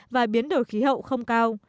và biến đổi khí hậu không cao